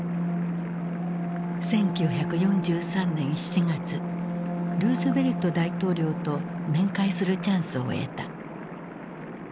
１９４３年７月ルーズベルト大統領と面会するチャンスを得た。